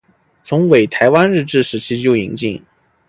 从台湾日治时期就引进。